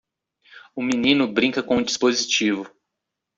Um menino brinca com um dispositivo.